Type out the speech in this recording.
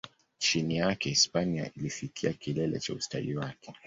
Chini yake, Hispania ilifikia kilele cha ustawi wake.